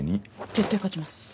絶対勝ちます。